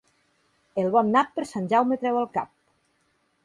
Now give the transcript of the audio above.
El bon nap per Sant Jaume treu el cap.